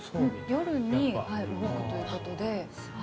夜に動くということで。